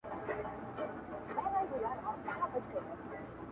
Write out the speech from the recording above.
• په اوبو کي خپلو پښو ته په کتلو -